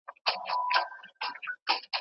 که قاضي وي نو ظلم نه کیږي.